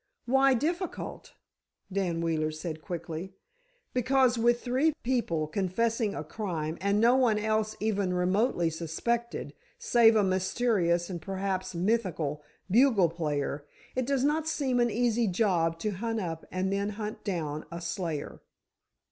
"Why difficult?" Dan Wheeler said, quickly. "Because, with three people confessing a crime, and no one else even remotely suspected, save a mysterious and perhaps mythical bugle player, it does not seem an easy job to hunt up and then hunt down a slayer."